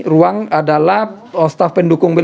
ruang adalah staff pendukung